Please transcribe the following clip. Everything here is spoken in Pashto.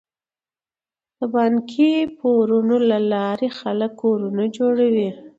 د بانکي پورونو له لارې خلک کورونه جوړوي.